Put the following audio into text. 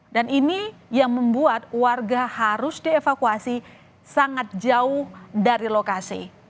dan ini yang membuat warga harus dievakuasi sangat jauh dari lokasi